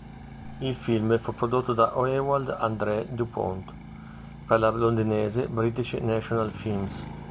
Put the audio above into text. Il film fu prodotto da Ewald André Dupont per la londinese British National Films.